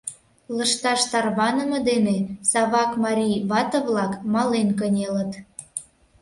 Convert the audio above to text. Лышташ тарваныме дене Савак марий вате-влак мален кынелыт.